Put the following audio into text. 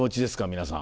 皆さん。